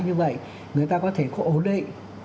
như vậy người ta có thể ổn định